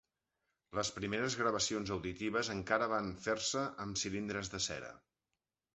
Les primeres gravacions auditives encara van fer-se amb cilindres de cera.